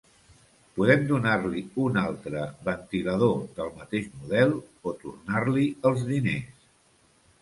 Podem donar-li un altre ventilador del mateix model, o tornar-li els diners.